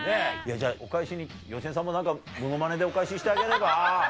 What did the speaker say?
じゃあお返しに芳根さんも何かモノマネでお返ししてあげれば？